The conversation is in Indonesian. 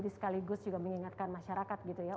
jadi sekaligus juga mengingatkan masyarakat gitu ya